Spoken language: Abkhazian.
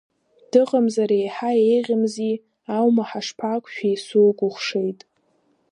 Дыҟамзар еиҳа еиӷьымзи, аума ҳашԥақәшәеи, сукәыхшеит…